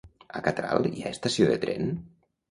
A Catral hi ha estació de tren?